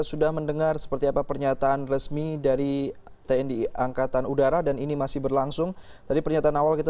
sudah banyak rekomendasi yang kita berikan sekali lagi